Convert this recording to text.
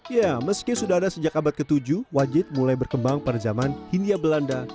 ya meski sudah ada sejak abad ke tujuh wajit mulai berkembang pada zaman hindia belanda